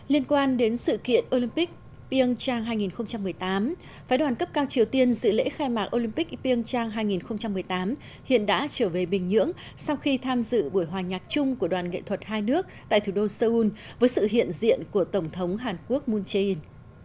liên quan đến sự kiện olympic pian chang hai nghìn một mươi tám phái đoàn cấp cao triều tiên dự lễ khai mạc olympic ping trang hai nghìn một mươi tám hiện đã trở về bình nhưỡng sau khi tham dự buổi hòa nhạc chung của đoàn nghệ thuật hai nước tại thủ đô seoul với sự hiện diện của tổng thống hàn quốc moon jae in